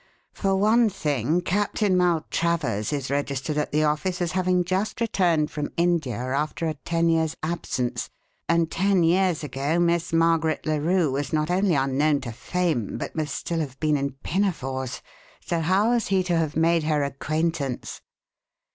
For one thing, Captain Maltravers is registered at the office as having just arrived from India after a ten years' absence, and ten years ago Miss Margaret Larue was not only unknown to fame, but must have been still in pinafores, so how was he to have made her acquaintance?